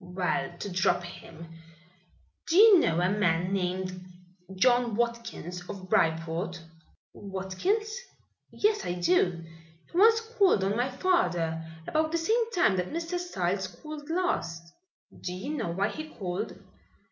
"Well, to drop him, do you know a man named John Watkins, of Bryport?" "Watkins? Yes, I do. He once called on my father, about the same time that Mr. Styles called last." "Do you know why he called?"